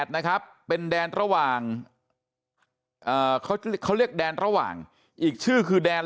นะครับเป็นแดนระหว่างเขาเรียกแดนระหว่างอีกชื่อคือแดน